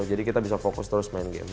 kita bisa fokus terus main game